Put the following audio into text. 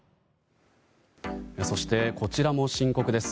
そしてこちらも深刻です。